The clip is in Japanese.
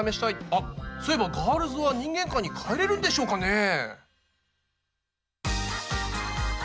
あっそういえばガールズは人間界に帰れるんでしょうかねぇ？